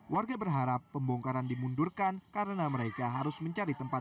warga berharap pembongkaran dimundurkan karena mereka harus mencari tempat